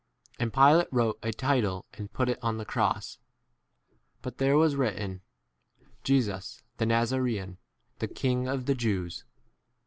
19 And Pilate wrote a title and put it on the cross. But there was writ ten, Jesus the Nazaraean, the king 20 of the Jews.